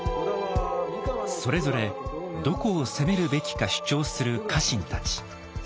それぞれどこを攻めるべきか主張する家臣たち。